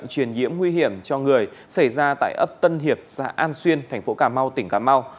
truyền nhiễm nguy hiểm cho người xảy ra tại ấp tân hiệp xã an xuyên thành phố cà mau tỉnh cà mau